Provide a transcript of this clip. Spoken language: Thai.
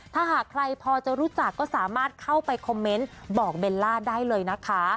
ถ้าหากใครพอจะรู้จักก็สามารถเข้าไปคอมเมนต์บอกเบลล่าได้เลยนะคะ